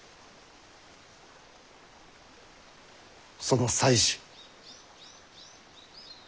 その妻子。